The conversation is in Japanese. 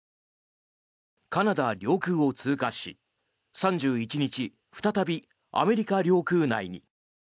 カナダ領空を通過し３１日、再びアメリカ領空内に。